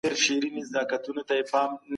دا جشن د بزګرانو د هڅونې لپاره دی.